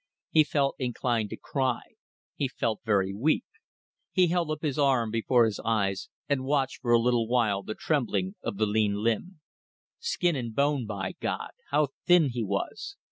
He felt inclined to cry. He felt very weak. He held up his arm before his eyes and watched for a little while the trembling of the lean limb. Skin and bone, by God! How thin he was!